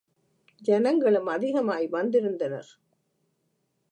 ஜனங்களும் அதிகமாய் வந்திருந்தனர்.